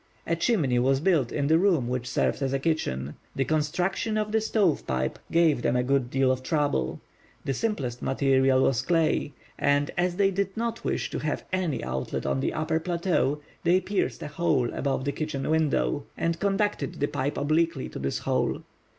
A chimney was built in the room which served as a kitchen. The construction of the stove pipe gave them a good deal of trouble. The simplest material was clay; and as they did not wish to have any outlet on the upper plateau, they pierced a hole above the kitchen window, and conducted the pipe obliquely to this hole.